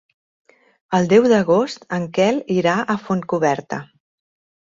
El deu d'agost en Quel irà a Fontcoberta.